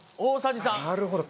なるほど！